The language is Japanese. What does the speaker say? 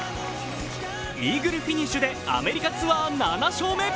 イーグルフィニッシュでアメリカツアー７勝目。